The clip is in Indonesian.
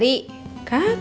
eh eh eh astaghfirullahaladzim